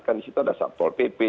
kan di situ ada satpol pp